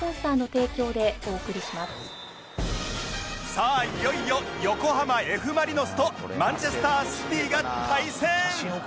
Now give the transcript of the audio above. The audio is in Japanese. さあいよいよ横浜 Ｆ ・マリノスとマンチェスター・シティが対戦